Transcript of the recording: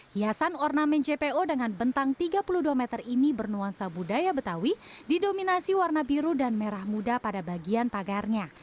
hiasan ornamen jpo dengan bentang tiga puluh dua meter ini bernuansa budaya betawi didominasi warna biru dan merah muda pada bagian pagarnya